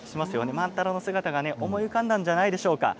万太郎の姿が思い浮かんだんじゃないでしょうか。